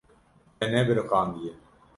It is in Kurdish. Te nebiriqandiye.